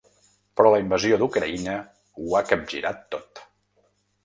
Però la invasió d’Ucraïna ho ha capgirat tot.